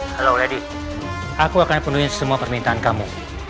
halo lady aku akan penuhi semua permintaan kamu